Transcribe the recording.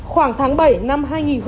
khoảng tháng bảy năm hai nghìn một mươi tám